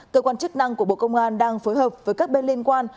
cơ quan chức năng của bộ công an đang phối hợp với các bên liên quan